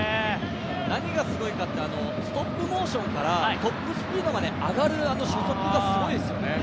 何がすごいかってストップモーションからトップスピードまで上がるあの初速がすごいですよね。